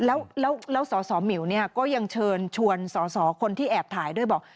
แล้วสสหมิวเนี่ยก็ยังเชิญชวนสอสอคนที่แอบถ่ายด้วยบอก